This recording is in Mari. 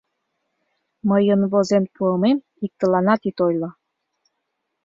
Мыйын возен пуымем иктыланат ит ойло.